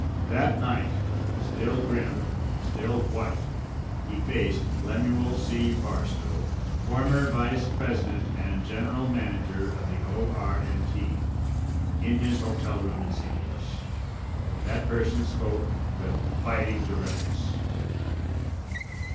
That night, still grim, still white, he faced Lemuel C. Barstow, former vice president and general manager of the O.R.& T. in his hotel room in St. Louis. That person spoke with biting directness.